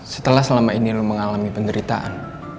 setelah selama ini lo mengalami penderitaan